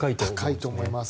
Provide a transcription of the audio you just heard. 高いと思います。